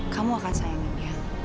kamu akan sayangin dia